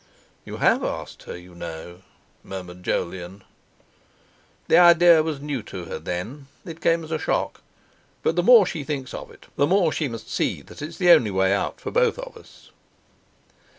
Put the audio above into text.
"You have asked her, you know," murmured Jolyon. "The idea was new to her then; it came as a shock. But the more she thinks of it, the more she must see that it's the only way out for both of us."